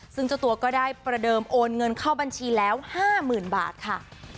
ซึ่งเจ้าตัวก็ได้ประเดิมโอนเงินเข้าบัญชีแล้ว๕๐๐๐บาทค่ะ